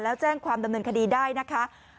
แล้วแจ้งความดำเนินคดีได้นะคะ